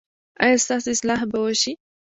ایا ستاسو اصلاح به وشي؟